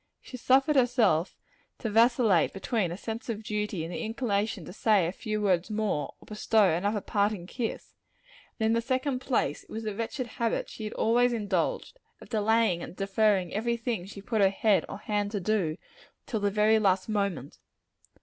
She suffered herself to vacillate between a sense of duty and the inclination to say a few words more, or bestow another parting kiss. And in the second place, it was the wretched habit she had always indulged, of delaying and deferring every thing she put her head or her hand to, till the very last moment.